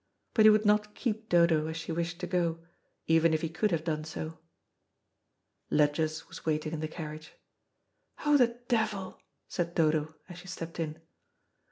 But he would not keep Dodo, as she wished to go, even if he could have done so. Ledgers was waiting in the carriage. "Oh, the devil," said Dodo, as she stepped in.